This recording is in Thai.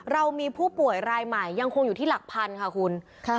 เรามีผู้ป่วยรายใหม่ยังคงอยู่ที่หลักพันค่ะคุณ